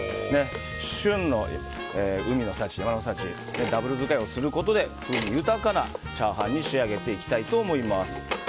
旬の海の幸、山の幸ダブル使いをすることで風味豊かなチャーハンに仕上げていきたいと思います。